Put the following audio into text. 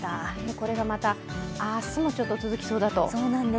これがまた明日もちょっと続きそうだと？